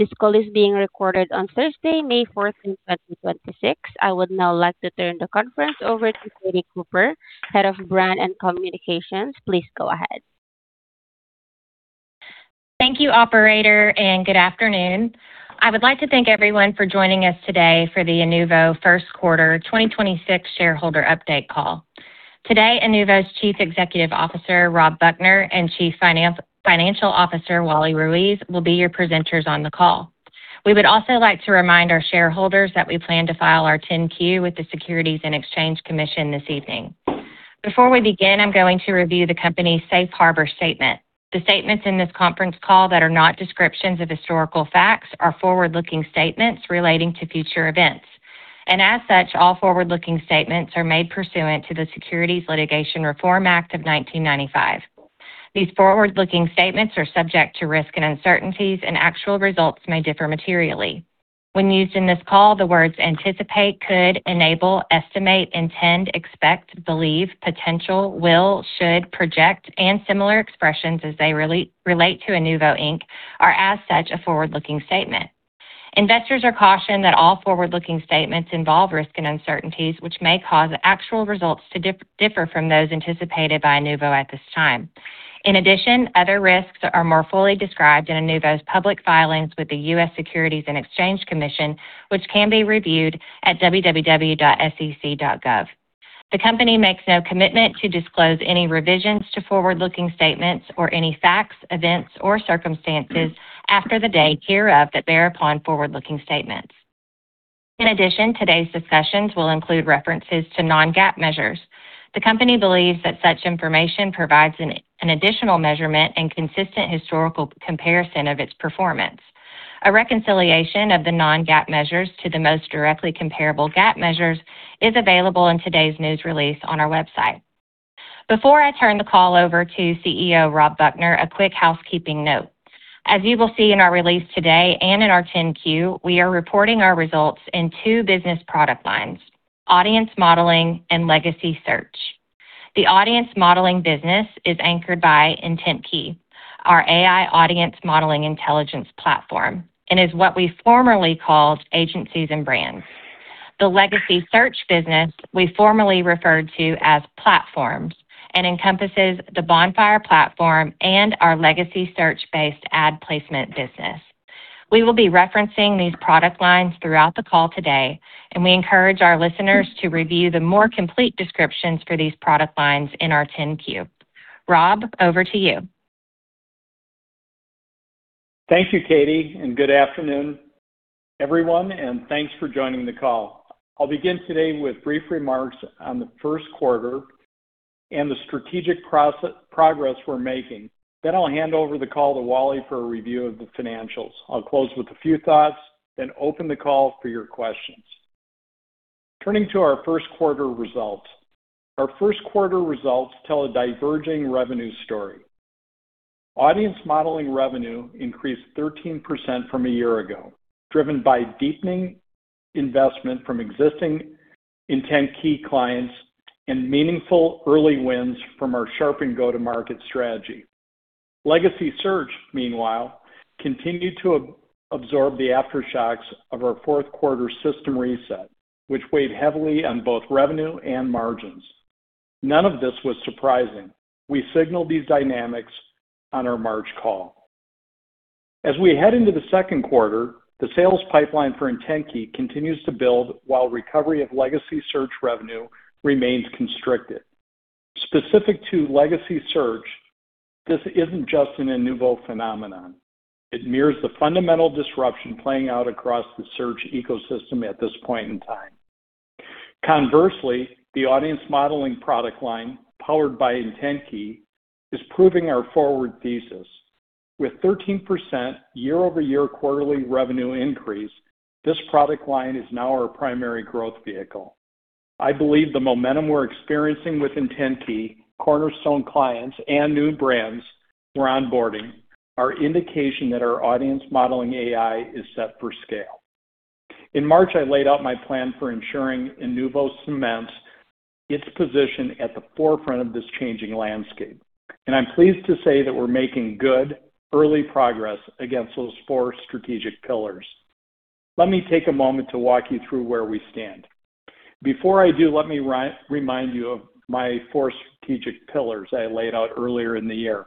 This call is being recorded on Thursday, May 4th, 2026. I would now like to turn the conference over to Katie Cooper, Head of Brand and Communications. Please go ahead. Thank you, operator, and good afternoon. I would like to thank everyone for joining us today for the Inuvo First Quarter 2026 Shareholder Update Call. Today, Inuvo's Chief Executive Officer, Rob Buchner, and Chief Financial Officer, Wally Ruiz, will be your presenters on the call. We would also like to remind our shareholders that we plan to file our 10-Q with the Securities and Exchange Commission this evening. Before we begin, I'm going to review the company's safe harbor statement. The statements in this conference call that are not descriptions of historical facts are forward-looking statements relating to future events. As such, all forward-looking statements are made pursuant to the Private Securities Litigation Reform Act of 1995. These forward-looking statements are subject to risk and uncertainties, and actual results may differ materially. When used in this call, the words anticipate, could, enable, estimate, intend, expect, believe, potential, will, should, project, and similar expressions as they relate to Inuvo, Inc., are, as such, a forward-looking statement. Investors are cautioned that all forward-looking statements involve risks and uncertainties, which may cause actual results to differ from those anticipated by Inuvo at this time. In addition, other risks are more fully described in Inuvo's public filings with the U.S. Securities and Exchange Commission, which can be reviewed at www.sec.gov. The company makes no commitment to disclose any revisions to forward-looking statements or any facts, events, or circumstances after the day hereof that bear upon forward-looking statements. In addition, today's discussions will include references to non-GAAP measures. The company believes that such information provides an additional measurement and consistent historical comparison of its performance. A reconciliation of the non-GAAP measures to the most directly comparable GAAP measures is available in today's news release on our website. Before I turn the call over to CEO Rob Buchner, a quick housekeeping note. As you will see in our release today and in our 10-Q, we are reporting our results in two business product lines: Audience Modeling and Legacy Search. The Audience Modeling business is anchored by IntentKey, our AI Audience Modeling Intelligence Platform, and is what we formerly called Agencies and Brands. The Legacy Search business we formerly referred to as Platforms and encompasses the Bonfire platform and our legacy search-based ad placement business. We will be referencing these product lines throughout the call today, and we encourage our listeners to review the more complete descriptions for these product lines in our 10-Q. Rob, over to you. Thank you, Katie. Good afternoon, everyone. Thanks for joining the call. I'll begin today with brief remarks on the first quarter and the strategic progress we're making. I'll hand over the call to Wally for a review of the financials. I'll close with a few thoughts. I'll open the call for your questions. Turning to our first quarter results. Our first quarter results tell a diverging revenue story. Audience Modeling revenue increased 13% from a year-ago, driven by deepening investment from existing IntentKey clients and meaningful early wins from our sharpened go-to-market strategy. Legacy Search, meanwhile, continued to absorb the aftershocks of our fourth quarter system reset, which weighed heavily on both revenue and margins. None of this was surprising. We signaled these dynamics on our March call. As we head into the second quarter, the sales pipeline for IntentKey continues to build while recovery of Legacy Search revenue remains constricted. Specific to Legacy Search, this isn't just an Inuvo phenomenon. It mirrors the fundamental disruption playing out across the search ecosystem at this point in time. Conversely, the Audience Modeling product line, powered by IntentKey, is proving our forward thesis. With 13% year-over-year quarterly revenue increase, this product line is now our primary growth vehicle. I believe the momentum we're experiencing with IntentKey, cornerstone clients, and new brands we're onboarding are indication that our audience modeling AI is set for scale. In March, I laid out my plan for ensuring Inuvo cements its position at the forefront of this changing landscape, and I'm pleased to say that we're making good early progress against those four strategic pillars. Let me take a moment to walk you through where we stand. Before I do, let me remind you of my four strategic pillars I laid out earlier in the year.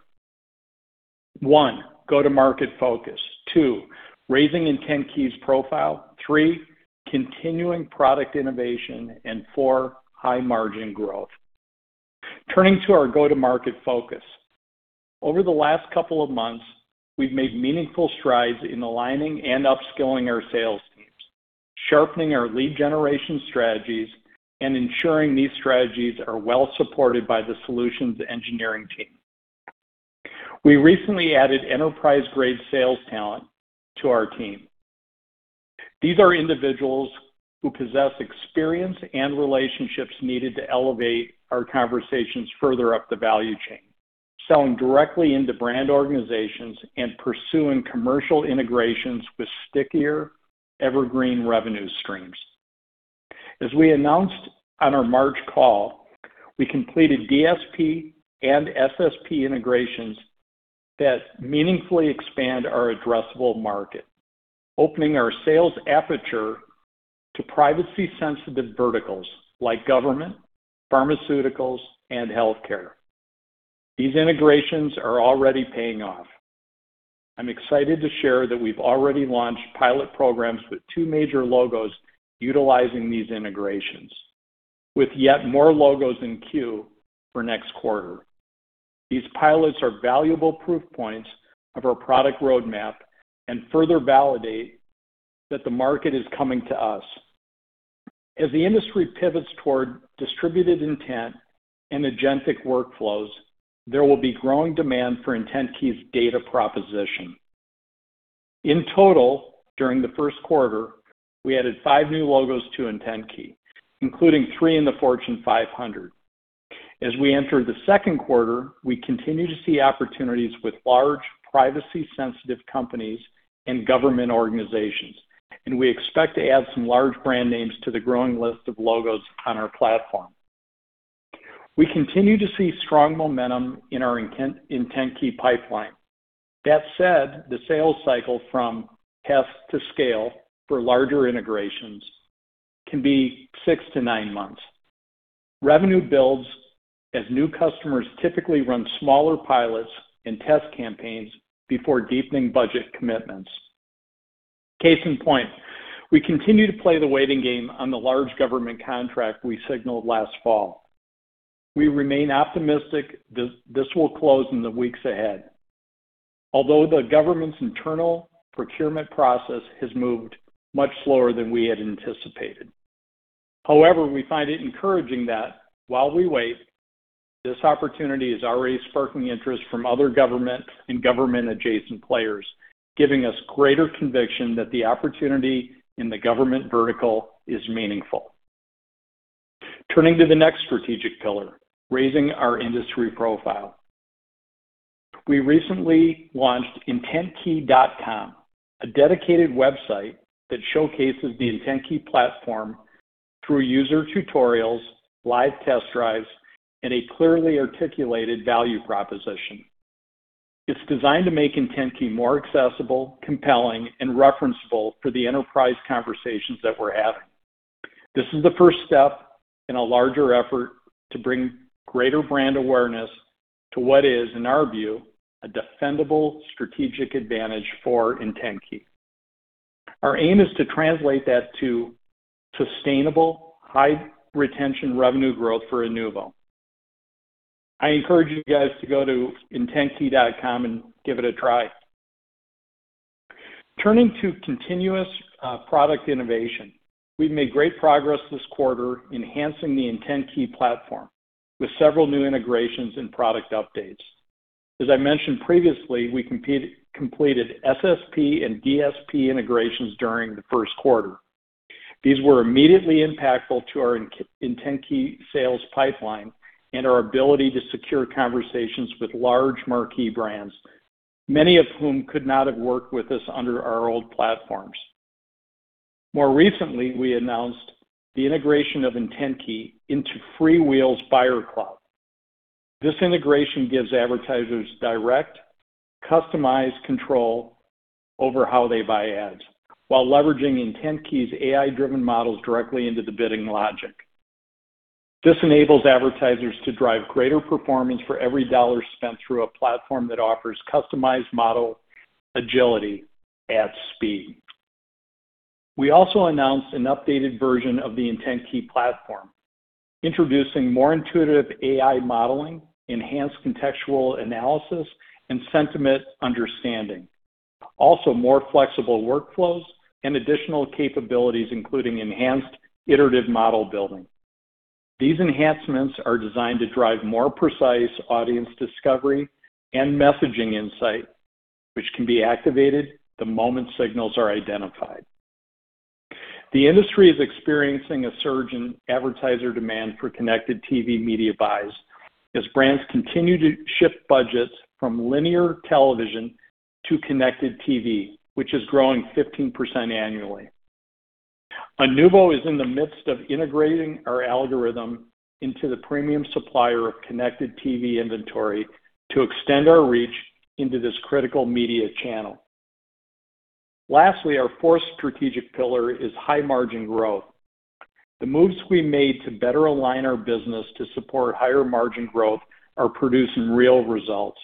One, go-to-market focus. Two, raising IntentKey's profile. Three, continuing product innovation. Four, high margin growth. Turning to our go-to-market focus. Over the last couple of months, we've made meaningful strides in aligning and upskilling our sales teams, sharpening our lead generation strategies, and ensuring these strategies are well supported by the solutions engineering team. We recently added enterprise-grade sales talent to our team. These are individuals who possess experience and relationships needed to elevate our conversations further up the value chain, selling directly into brand organizations and pursuing commercial integrations with stickier evergreen revenue streams. As we announced on our March call, we completed DSP and SSP integrations that meaningfully expand our addressable market, opening our sales aperture to privacy-sensitive verticals like government, pharmaceuticals, and healthcare. These integrations are already paying off. I'm excited to share that we've already launched pilot programs with two major logos utilizing these integrations, with yet more logos in queue for next quarter. These pilots are valuable proof points of our product roadmap and further validate that the market is coming to us. As the industry pivots toward distributed intent and agentic workflows, there will be growing demand for IntentKey's data proposition. In total, during the first quarter, we added five new logos to IntentKey, including three in the Fortune 500. As we enter the second quarter, we continue to see opportunities with large privacy-sensitive companies and government organizations, and we expect to add some large brand names to the growing list of logos on our platform. We continue to see strong momentum in our IntentKey pipeline. That said, the sales cycle from test to scale for larger integrations can be six to nine months. Revenue builds as new customers typically run smaller pilots and test campaigns before deepening budget commitments. Case in point, we continue to play the waiting game on the large government contract we signaled last fall. We remain optimistic this will close in the weeks ahead, although the government's internal procurement process has moved much slower than we had anticipated. However, we find it encouraging that while we wait, this opportunity is already sparking interest from other government and government-adjacent players, giving us greater conviction that the opportunity in the government vertical is meaningful. Turning to the next strategic pillar, raising our industry profile. We recently launched intentkey.com, a dedicated website that showcases the IntentKey platform through user tutorials, live test drives, and a clearly articulated value proposition. It's designed to make IntentKey more accessible, compelling, and referenceable for the enterprise conversations that we're having. This is the first step in a larger effort to bring greater brand awareness to what is, in our view, a defendable strategic advantage for IntentKey. Our aim is to translate that to sustainable high retention revenue growth for Inuvo. I encourage you guys to go to intentkey.com and give it a try. Turning to continuous product innovation. We've made great progress this quarter enhancing the IntentKey platform with several new integrations and product updates. As I mentioned previously, we completed SSP and DSP integrations during the 1st quarter. These were immediately impactful to our IntentKey sales pipeline and our ability to secure conversations with large marquee brands, many of whom could not have worked with us under our old platforms. More recently, we announced the integration of IntentKey into FreeWheel's Buyer Cloud. This integration gives advertisers direct, customized control over how they buy ads while leveraging IntentKey's AI-driven models directly into the bidding logic. This enables advertisers to drive greater performance for every dollars spent through a platform that offers customized model agility at speed. We also announced an updated version of the IntentKey platform, introducing more intuitive AI modeling, enhanced contextual analysis, and sentiment understanding. Also more flexible workflows and additional capabilities, including enhanced iterative model building. These enhancements are designed to drive more precise audience discovery and messaging insight, which can be activated the moment signals are identified. The industry is experiencing a surge in advertiser demand for connected TV media buys as brands continue to shift budgets from linear television to connected TV, which is growing 15% annually. Inuvo is in the midst of integrating our algorithm into the premium supplier of connected TV inventory to extend our reach into this critical media channel. Lastly, our fourth strategic pillar is high margin growth. The moves we made to better align our business to support higher margin growth are producing real results.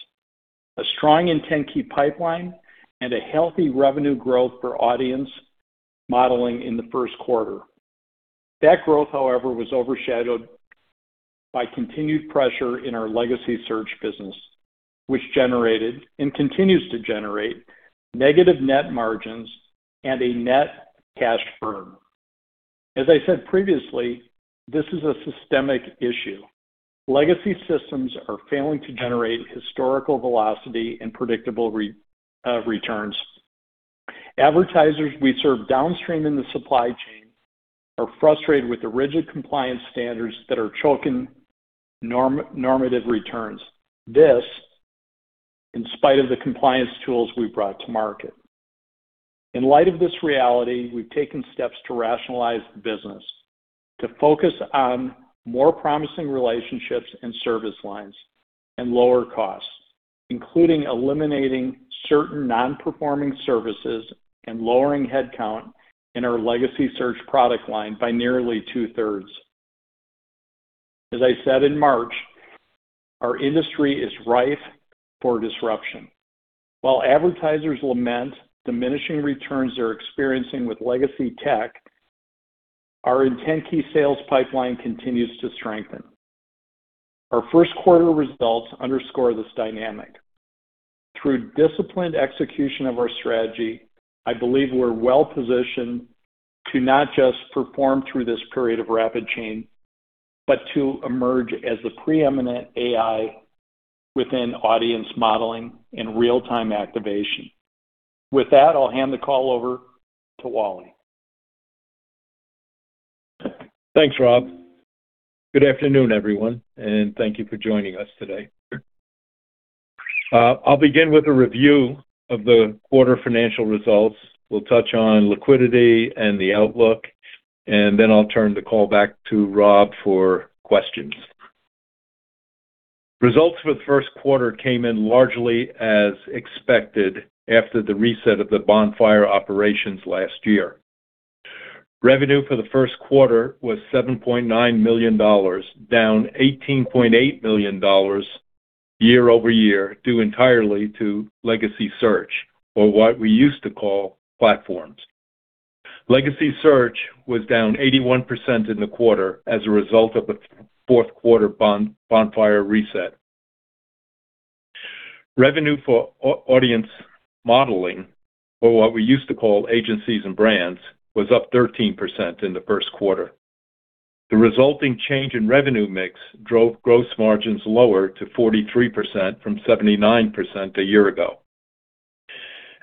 A strong IntentKey pipeline and a healthy revenue growth for Audience Modeling in the first quarter. That growth, however, was overshadowed by continued pressure in our Legacy Search business, which generated and continues to generate negative net margins and a net cash burn. As I said previously, this is a systemic issue. Legacy systems are failing to generate historical velocity and predictable returns. Advertisers we serve downstream in the supply chain are frustrated with the rigid compliance standards that are choking normative returns, this in spite of the compliance tools we've brought to market. In light of this reality, we've taken steps to rationalize the business to focus on more promising relationships and service lines and lower costs, including eliminating certain non-performing services and lowering headcount in our Legacy Search product line by nearly two-thirds. As I said in March, our industry is rife for disruption. While advertisers lament diminishing returns they're experiencing with legacy tech, our IntentKey sales pipeline continues to strengthen. Our first quarter results underscore this dynamic. Through disciplined execution of our strategy, I believe we're well-positioned to not just perform through this period of rapid change, but to emerge as the preeminent AI within Audience Modeling and real-time activation. With that, I'll hand the call over to Wally. Thanks, Rob. Good afternoon, everyone, thank you for joining us today. I'll begin with a review of the quarter financial results. We'll touch on liquidity and the outlook, then I'll turn the call back to Rob for questions. Results for the first quarter came in largely as expected after the reset of the Bonfire operations last year. Revenue for the first quarter was $7.9 million, down $18.8 million year-over-year, due entirely to Legacy Search or what we used to call Platforms. Legacy Search was down 81% in the quarter as a result of the fourth quarter Bonfire reset. Revenue for Audience Modeling or what we used to call Agencies and Brands, was up 13% in the first quarter. The resulting change in revenue mix drove gross margins lower to 43% from 79% a year ago.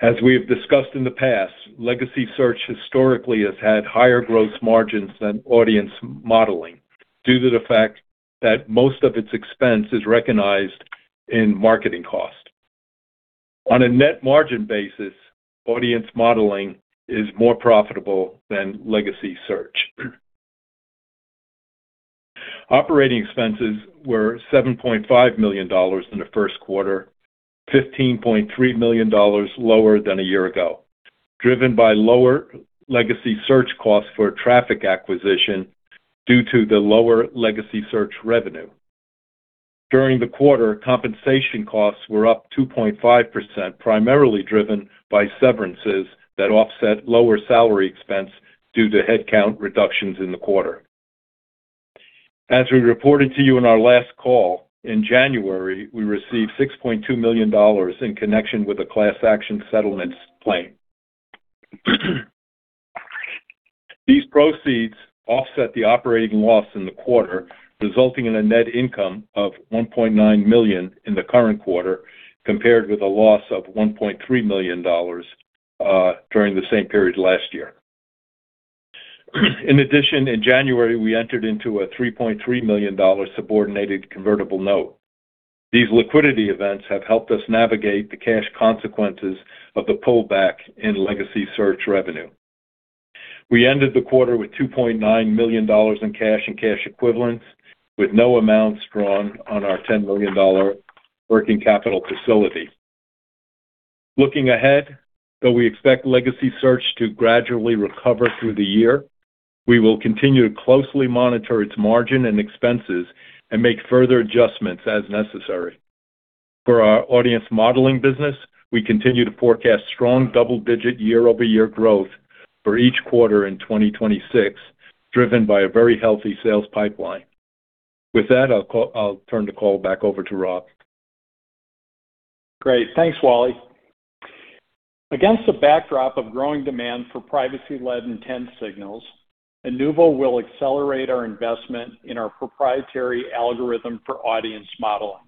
As we have discussed in the past, Legacy Search historically has had higher gross margins than Audience Modeling due to the fact that most of its expense is recognized in marketing cost. On a net margin basis, Audience Modeling is more profitable than Legacy Search. Operating expenses were $7.5 million in the first quarter, $15.3 million lower than a year ago, driven by lower Legacy Search costs for traffic acquisition due to the lower Legacy Search revenue. During the quarter, compensation costs were up 2.5%, primarily driven by severances that offset lower salary expense due to headcount reductions in the quarter. As we reported to you on our last call, in January, we received $6.2 million in connection with a class action settlements claim. These proceeds offset the operating loss in the quarter, resulting in a net income of $1.9 million in the current quarter, compared with a loss of $1.3 million during the same period last year. In January, we entered into a $3.3 million subordinated convertible note. These liquidity events have helped us navigate the cash consequences of the pullback in Legacy Search revenue. We ended the quarter with $2.9 million in cash and cash equivalents, with no amounts drawn on our $10 million working capital facility. Looking ahead, though we expect Legacy Search to gradually recover through the year, we will continue to closely monitor its margin and expenses and make further adjustments as necessary. For our Audience Modeling business, we continue to forecast strong double-digit year-over-year growth for each quarter in 2026, driven by a very healthy sales pipeline. With that, I'll turn the call back over to Rob. Great. Thanks, Wally. Against the backdrop of growing demand for privacy-led intent signals, Inuvo will accelerate our investment in our proprietary algorithm for Audience Modeling.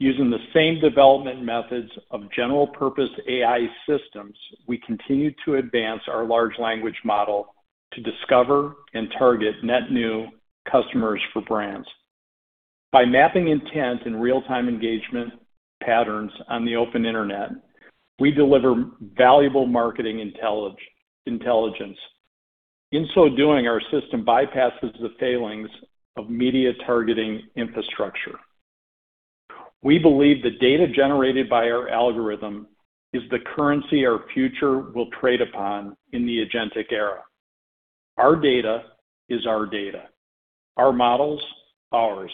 Using the same development methods of general purpose AI systems, we continue to advance our large language model to discover and target net new customers for brands. By mapping intent and real-time engagement patterns on the open internet, we deliver valuable marketing intelligence. In so doing, our system bypasses the failings of media targeting infrastructure. We believe the data generated by our algorithm is the currency our future will trade upon in the agentic era. Our data is our data, our models, ours.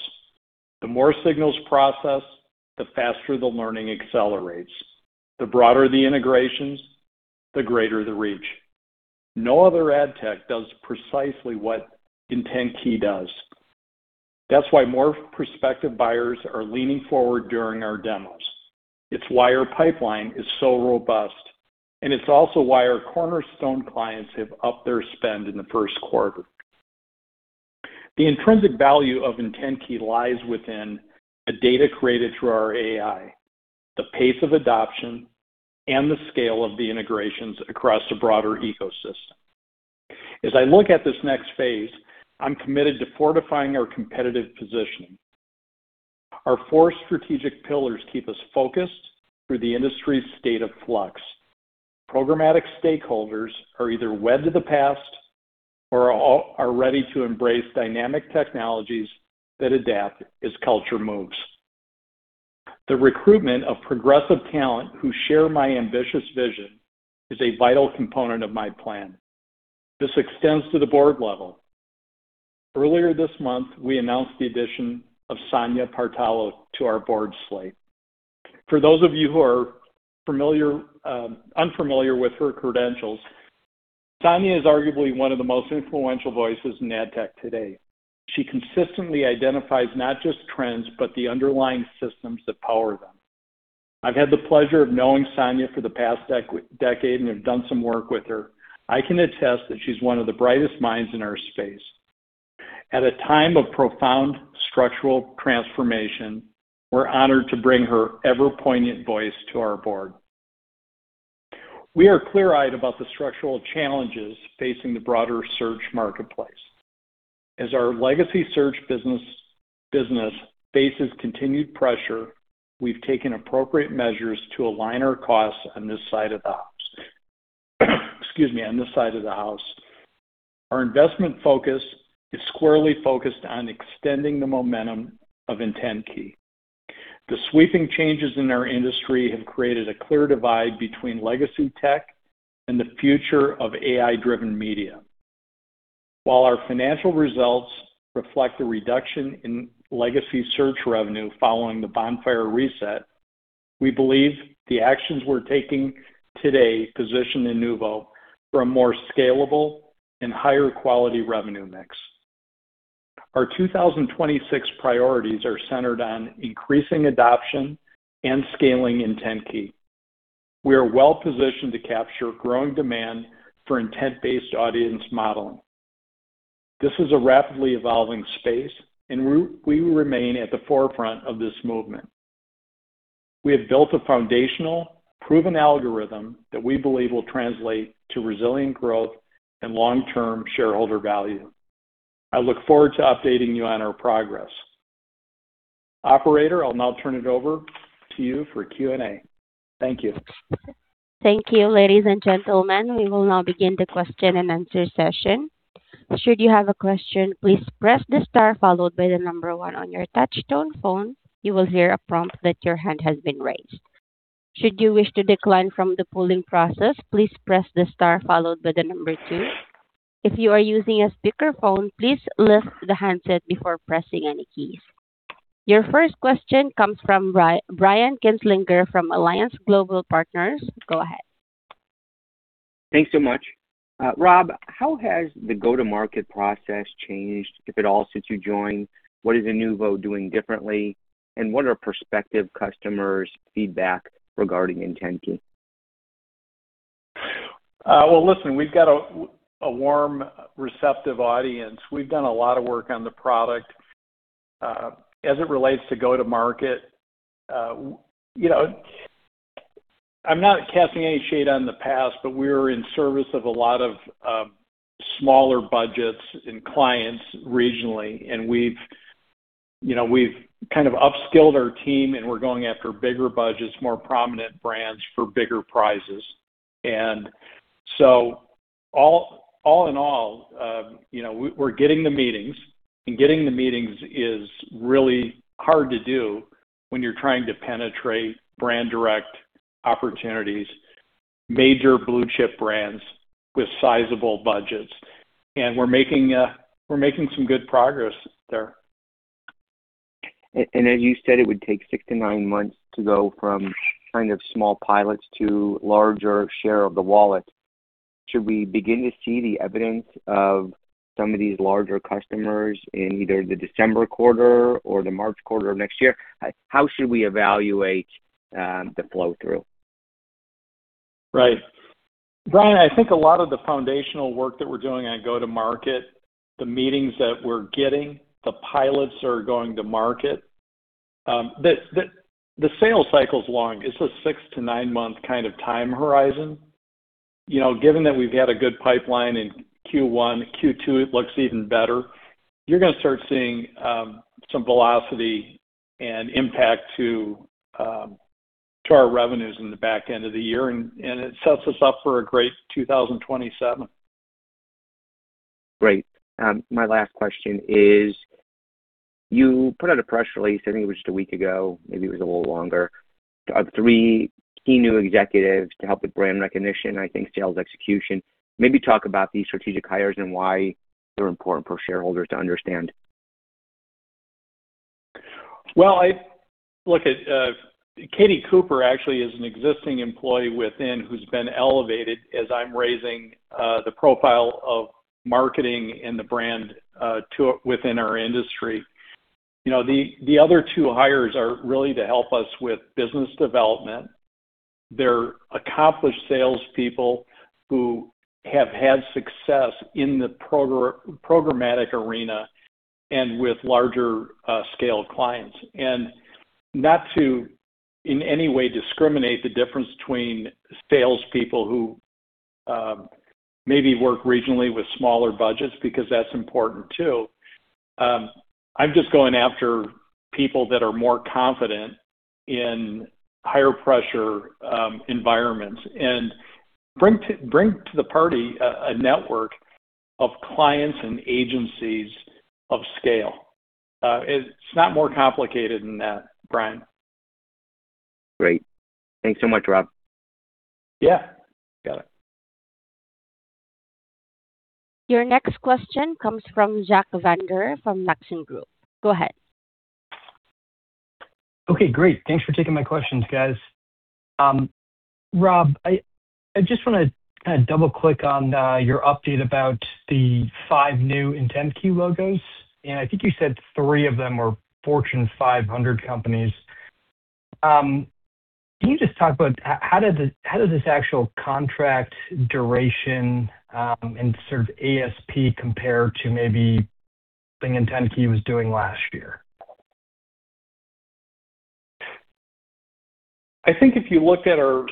The more signals processed, the faster the learning accelerates. The broader the integrations, the greater the reach. No other ad tech does precisely what IntentKey does. That's why more prospective buyers are leaning forward during our demos. It's why our pipeline is so robust, and it's also why our cornerstone clients have upped their spend in the first quarter. The intrinsic value of IntentKey lies within a data created through our AI, the pace of adoption, and the scale of the integrations across a broader ecosystem. I look at this next phase, I'm committed to fortifying our competitive positioning. Our four strategic pillars keep us focused through the industry's state of flux. Programmatic stakeholders are either wed to the past or are ready to embrace dynamic technologies that adapt as culture moves. The recruitment of progressive talent who share my ambitious vision is a vital component of my plan. This extends to the board level. Earlier this month, we announced the addition of Sanja Partalo to our board slate. For those of you who are familiar, unfamiliar with her credentials, Sanja Partalo is arguably one of the most influential voices in AdTech today. She consistently identifies not just trends, but the underlying systems that power them. I've had the pleasure of knowing Sanja Partalo for the past decade, and have done some work with her. I can attest that she's one of the brightest minds in our space. At a time of profound structural transformation, we're honored to bring her ever poignant voice to our board. We are clear-eyed about the structural challenges facing the broader search marketplace. As our Legacy Search business faces continued pressure, we've taken appropriate measures to align our costs on this side of the house. Our investment focus is squarely focused on extending the momentum of IntentKey. The sweeping changes in our industry have created a clear divide between legacy tech and the future of AI-driven media. While our financial results reflect a reduction in Legacy Search revenue following the Bonfire reset, we believe the actions we're taking today position Inuvo for a more scalable and higher quality revenue mix. Our 2026 priorities are centered on increasing adoption and scaling IntentKey. We are well-positioned to capture growing demand for intent-based Audience Modeling. This is a rapidly evolving space, and we remain at the forefront of this movement. We have built a foundational, proven algorithm that we believe will translate to resilient growth and long-term shareholder value. I look forward to updating you on our progress. Operator, I'll now turn it over to you for Q&A. Thank you. Thank you, ladies and gentlemen. We will now begin the question-and-answer session. Should you have a question, please press the star followed by the number one on your touch tone phone. You will hear a prompt that your hand has been raised. Should you wish to decline from the polling process, please press the star followed by the number two. If you are using a speakerphone, please lift the handset before pressing any keys. Your first question comes from Brian Kinstlinger from Alliance Global Partners. Go ahead. Thanks so much. Rob, how has the go-to-market process changed, if at all, since you joined? What is Inuvo doing differently, and what are prospective customers' feedback regarding IntentKey? Well, listen, we've got a warm, receptive audience. We've done a lot of work on the product as it relates to go to market. You know, I'm not casting any shade on the past, but we're in service of a lot of smaller budgets and clients regionally, and we've, you know, we've kind of upskilled our team and we're going after bigger budgets, more prominent brands for bigger prizes. All in all, you know, we're getting the meetings, and getting the meetings is really hard to do when you're trying to penetrate brand direct opportunities, major blue chip brands with sizable budgets. We're making some good progress there. As you said, it would take six to nine months to go from kind of small pilots to larger share of the wallet. Should we begin to see the evidence of some of these larger customers in either the December quarter or the March quarter of next year? How should we evaluate the flow-through? Brian Kinstlinger, I think a lot of the foundational work that we're doing on go-to-market, the meetings that we're getting, the pilots that are going to market, the sales cycle's long. It's a 6-9 month kind of time horizon. You know, given that we've had a good pipeline in Q1, Q2 it looks even better. You're gonna start seeing some velocity and impact to our revenues in the back end of the year, and it sets us up for a great 2027. Great. My last question is, you put out a press release, I think it was just a week ago, maybe it was a little longer, of three key new executives to help with brand recognition, I think sales execution. Maybe talk about these strategic hires and why they're important for shareholders to understand. Well, I look, Katie Cooper actually is an existing employee within who's been elevated as I'm raising the profile of marketing and the brand to within our industry. You know, the other two hires are really to help us with business development. They're accomplished salespeople who have had success in the programmatic arena and with larger scale clients. Not to in any way discriminate the difference between salespeople who maybe work regionally with smaller budgets because that's important too. I'm just going after people that are more confident in higher pressure environments and bring to the party a network of clients and agencies of scale. It's not more complicated than that, Brian. Great. Thanks so much, Rob. Yeah. Got it. Your next question comes from Jack Vander from Maxim Group. Go ahead. Okay, great. Thanks for taking my questions, guys. Rob, I just wanna kinda double-click on your update about the five new IntentKey logos. I think you said three of them were Fortune 500 companies. Can you just talk about how does this actual contract duration and sort of ASP compare to maybe thing IntentKey was doing last year? I think if you look at our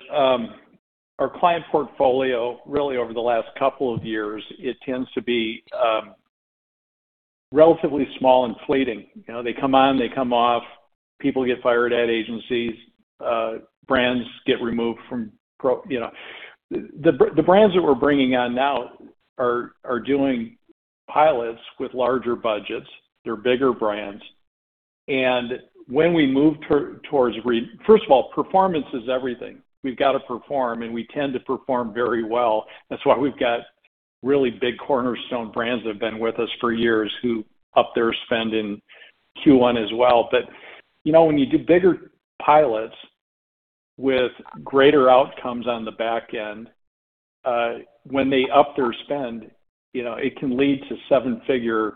client portfolio really over the last couple of years, it tends to be relatively small and fleeting. You know, they come on, they come off, people get fired at agencies, brands get removed from. You know. The brands that we're bringing on now are doing pilots with larger budgets. They're bigger brands. When we move, first of all, performance is everything. We've got to perform, and we tend to perform very well. That's why we've got really big cornerstone brands that have been with us for years who up their spend in Q1 as well. You know, when you do bigger pilots with greater outcomes on the back end, when they up their spend, you know, it can lead to $7-figure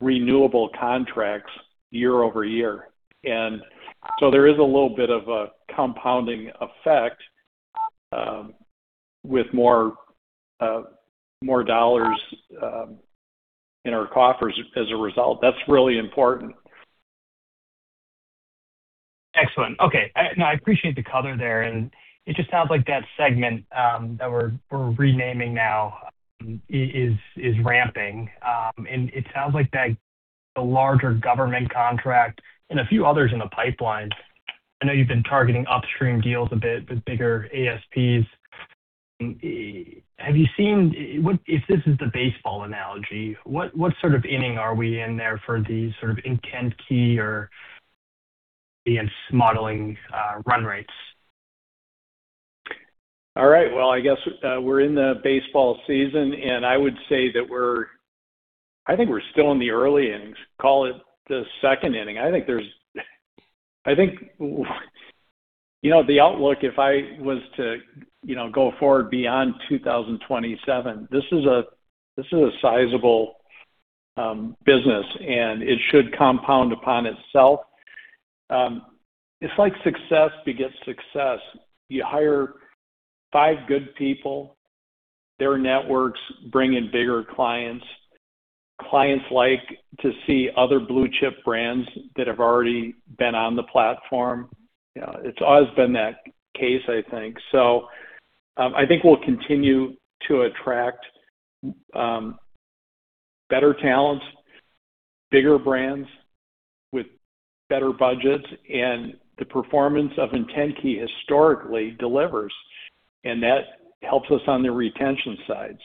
renewable contracts year-over-year. There is a little bit of a compounding effect, with more dollars in our coffers as a result. That's really important. Excellent. Okay. No, I appreciate the color there, it just sounds like that segment that we're renaming now is ramping. It sounds like the larger government contract and a few others in the pipeline. I know you've been targeting upstream deals a bit with bigger ASPs. Have you seen If this is the baseball analogy, what sort of inning are we in there for these sort of IntentKey or the modeling run rates? All right. Well, I guess, we're in the baseball season. I would say that I think we're still in the early innings. Call it the second inning. I think, you know, the outlook, if I was to, you know, go forward beyond 2027, this is a, this is a sizable business. It should compound upon itself. It's like success begets success. You hire five good people, their networks bring in bigger clients. Clients like to see other blue chip brands that have already been on the platform. You know, it's always been that case, I think. I think we'll continue to attract better talent, bigger brands with better budgets. The performance of IntentKey historically delivers, that helps us on the retention side.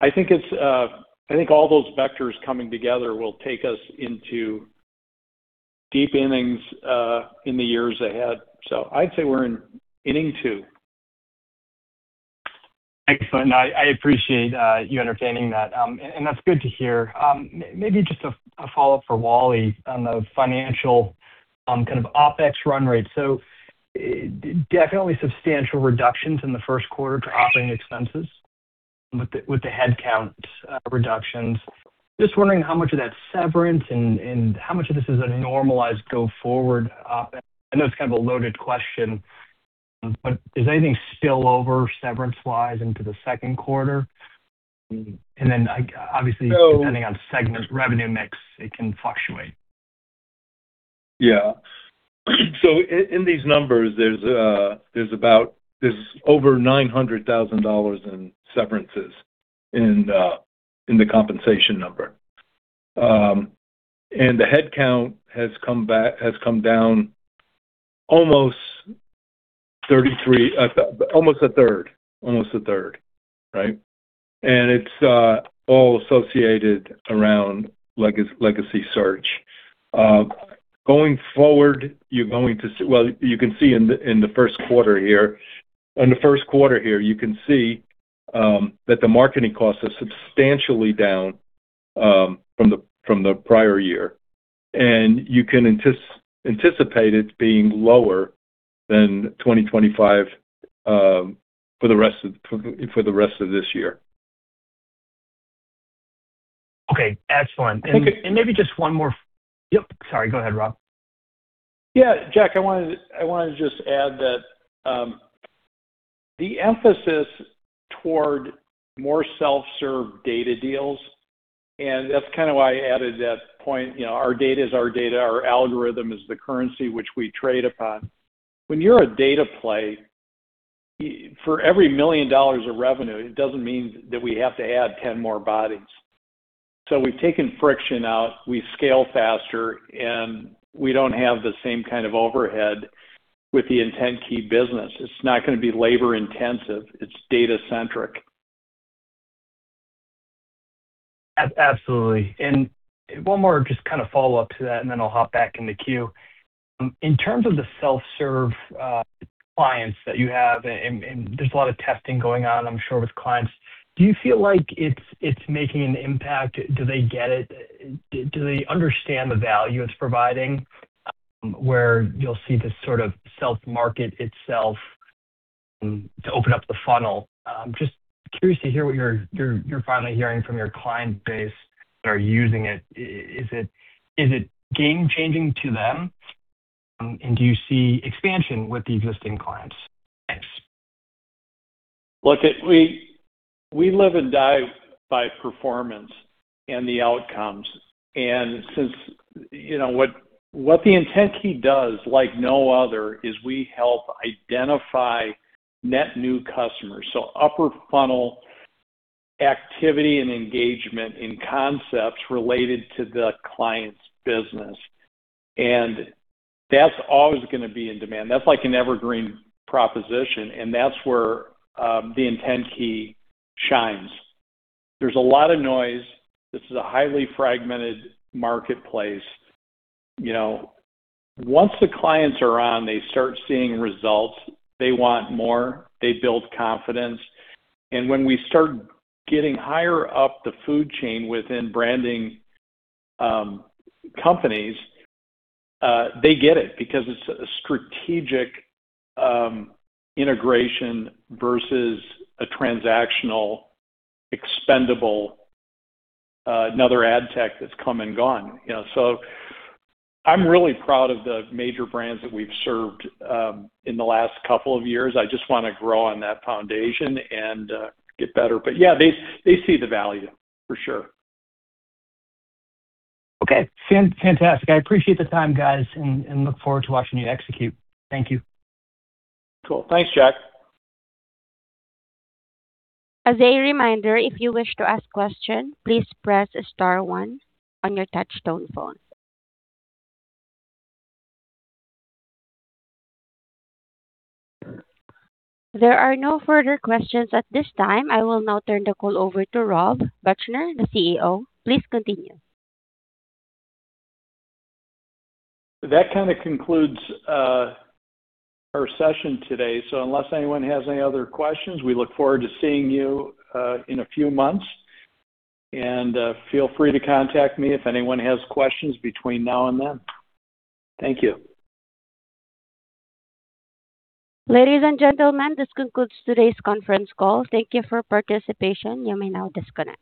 I think it's, I think all those vectors coming together will take us into deep innings in the years ahead. I'd say we're in inning two. Excellent. I appreciate you entertaining that. That's good to hear. Maybe just a follow-up for Wally on the financial kind of OpEx run rate. Definitely substantial reductions in the 1st quarter to operating expenses with the headcount reductions. Just wondering how much of that's severance and how much of this is a normalized go forward OpEx. I know it's kind of a loaded question, but is anything spill over severance-wise into the 2nd quarter? So- -depending on segment revenue mix, it can fluctuate. Yeah. In these numbers, there's over $900,000 in severances in the compensation number. The headcount has come down almost 33%, almost a third. Almost a third. Right? It's all associated around Legacy Search. Going forward, you're going to see. Well, you can see in the first quarter here. In the first quarter here, you can see that the marketing costs are substantially down from the prior year. You can anticipate it being lower than 2025 for the rest of this year. Okay. Excellent. Okay. Maybe just one more. Yep. Sorry. Go ahead, Rob. Yeah. Jack, I wanted to just add that. The emphasis toward more self-serve data deals, and that's kind of why I added that point. You know, our data is our data. Our algorithm is the currency which we trade upon. When you're a data play, for every $1 million of revenue, it doesn't mean that we have to add 10 more bodies. We've taken friction out, we scale faster, and we don't have the same kind of overhead with The IntentKey business. It's not gonna be labor-intensive, it's data-centric. Absolutely. One more just kind of follow up to that, and then I'll hop back in the queue. In terms of the self-serve clients that you have, and there's a lot of testing going on, I'm sure, with clients, do you feel like it's making an impact? Do they get it? Do they understand the value it's providing, where you'll see this sort of self-market itself to open up the funnel? Just curious to hear what you're finally hearing from your client base that are using it. Is it game changing to them? Do you see expansion with the existing clients? Thanks. We live and die by performance and the outcomes. Since you know what IntentKey does like no other is we help identify net new customers. Upper funnel activity and engagement in concepts related to the client's business. That's always gonna be in demand. That's like an evergreen proposition, and that's where IntentKey shines. There's a lot of noise. This is a highly fragmented marketplace. You know, once the clients are on, they start seeing results. They want more, they build confidence. When we start getting higher up the food chain within branding companies, they get it because it's a strategic integration versus a transactional expendable, another AdTech that's come and gone. You know, I'm really proud of the major brands that we've served in the last couple of years. I just wanna grow on that foundation and get better. Yeah, they see the value for sure. Okay. Fantastic. I appreciate the time, guys, and look forward to watching you execute. Thank you. Cool. Thanks, Jack. As a reminder, if you wish to ask question, please press star one on your touch-tone phone. There are no further questions at this time. I will now turn the call over to Rob Buchner, the CEO. Please continue. That kind of concludes our session today. Unless anyone has any other questions, we look forward to seeing you in a few months. Feel free to contact me if anyone has questions between now and then. Thank you. Ladies and gentlemen, this concludes today's conference call. Thank you for participation. You may now disconnect.